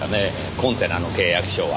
コンテナの契約書は。